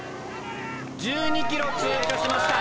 １２ｋｍ通過しました。